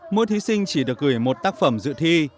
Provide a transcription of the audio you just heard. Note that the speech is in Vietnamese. mỗi thí sinh chỉ được gửi một tác phẩm dự thi